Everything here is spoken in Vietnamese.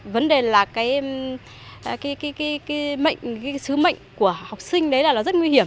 vấn đề là cái mệnh cái sứ mệnh của học sinh đấy là nó rất nguy hiểm